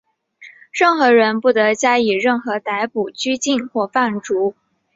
任何人不得加以任意逮捕、拘禁或放逐。